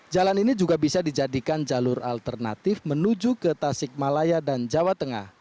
jalan ini juga bisa dijadikan jalur alternatif menuju ke tasik malaya dan jawa tengah